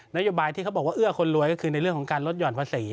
โยบายที่เขาบอกว่าเอื้อคนรวยก็คือในเรื่องของการลดหย่อนภาษี